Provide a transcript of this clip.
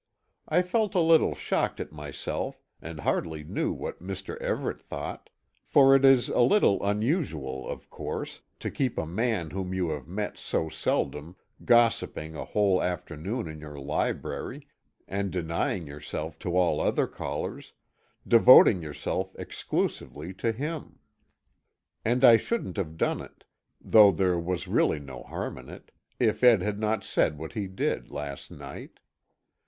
I felt a little shocked at myself, and hardly knew what Mr. Everet thought for it is a little unusual, of course, to keep a man whom you have met so seldom, gossiping a whole afternoon in your library, and denying yourself to all other callers devoting yourself exclusively to him. And I shouldn't have done it though there was really no harm in it if Ed had not said what he did, last night.